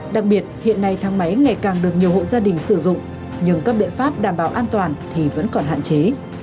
đặc biệt hiện nay thang máy ngày càng được nhiều hộ gia đình sử dụng nhưng các biện pháp đảm bảo an toàn thì vẫn còn hạn chế